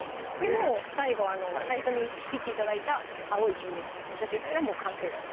もう最後最初に切って頂いた青い部分を載せて頂いたらもう完成です